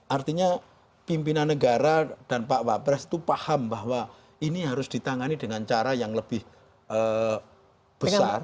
artinya pimpinan negara dan pak wapres itu paham bahwa ini harus ditangani dengan cara yang lebih besar